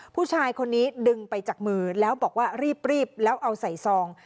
ผู้ชายคนนี้ดึงไปจากมือแล้วบอกว่ารีบแล้วเอาใส่ซอง